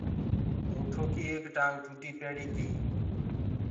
اُنٚٺوڪي ايڪ ٽآنٚگ ٽوٽي پيڙيٚ تي اورَ